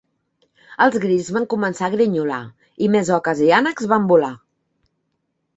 Els grills van començar a grinyolar, i més oques i ànecs van volar.